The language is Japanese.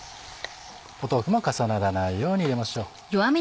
豆腐も重ならないように入れましょう。